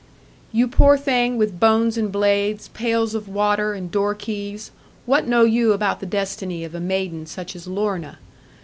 'You poor thing, with bones and blades, pails of water, and door keys, what know you about the destiny of a maiden such as Lorna?